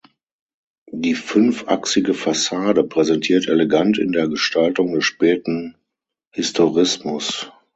Die fünfachsige Fassade präsentiert elegant in der Gestaltung des späten Historismus.